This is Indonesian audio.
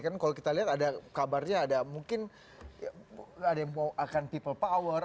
kan kalau kita lihat ada kabarnya ada mungkin ada yang mau akan people power